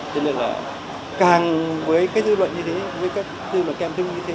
cho nên là càng với cái dự luận như thế với cái dự luận kèm thương như thế